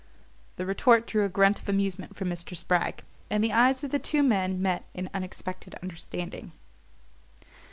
The retort drew a grunt of amusement from Mr. Spragg; and the eyes of the two men met in unexpected understanding.